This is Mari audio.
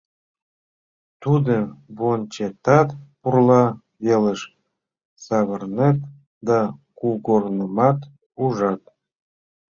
Тудым вончетат, пурла велыш савырнет да кугорнымат ужат.